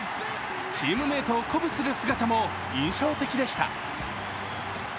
チームメートを鼓舞する姿も印象的でした。